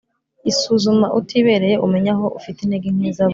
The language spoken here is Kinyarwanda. Isuzume utibereye umenye aho ufite intege nke Zaburi